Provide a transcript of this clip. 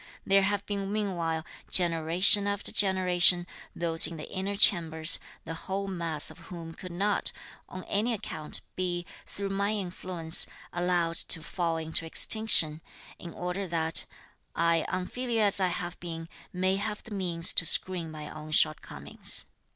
There have been meanwhile, generation after generation, those in the inner chambers, the whole mass of whom could not, on any account, be, through my influence, allowed to fall into extinction, in order that I, unfilial as I have been, may have the means to screen my own shortcomings.